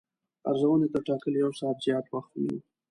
ارزونې تر ټاکلي یو ساعت زیات وخت ونیو.